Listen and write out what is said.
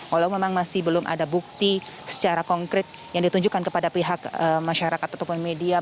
walau memang masih belum ada bukti secara konkret yang ditunjukkan kepada pihak masyarakat ataupun media